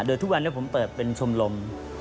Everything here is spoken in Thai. โดยทุกวันนี้ผมเปิดเป็นชมรม